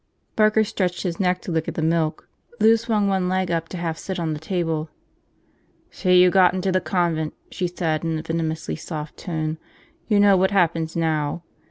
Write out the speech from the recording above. Barker stretched his neck to lick at the milk. Lou swung one leg up to half sit on the table. "So you got into the convent," she said in a venomously soft tone. "You know what happens now?